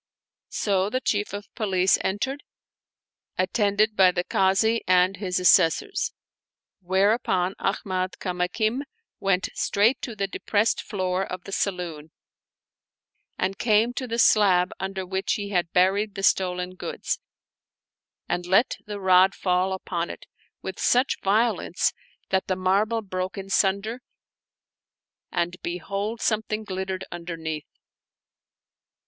So the Chief of Police entered, attended by the Kazi and his Assessors ; whereupon Ahmad Kamakin went straight to the depressed floor of the saloon and came to the slab under which he. had buried the stolen goods, and let the rod fall upon it with such violence that the marble broke in sunder, and behold something glittered underneath.